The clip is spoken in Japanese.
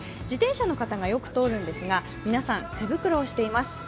自転車の方がよく通るんですが皆さん、手袋をしています。